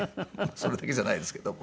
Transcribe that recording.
それだけじゃないですけれども。